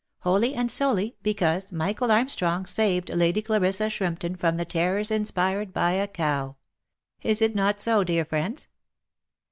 Wholly and solely because Michael Armstrong saved Lady Clarissa Shrimpton from the terrors inspired by a cow — as it not so, dear friends?